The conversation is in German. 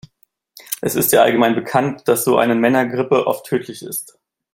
Es ist ja allgemein bekannt, dass so eine Männergrippe oft tödlich ist.